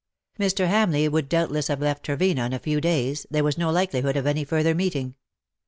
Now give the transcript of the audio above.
Mr. Hamleigh would doubtless have left Trevena in a few days — there was no likelihood of any further meeting.